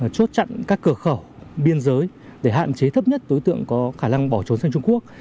chốt chặn các cửa khẩu biên giới để hạn chế thấp nhất đối tượng có khả năng bỏ trốn sang trung quốc